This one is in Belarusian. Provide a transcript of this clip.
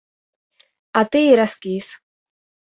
А ты і раскіс.